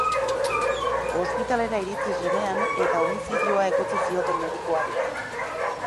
Ospitalera iritsi zenean eta homizidioa egotzi zioten medikuari.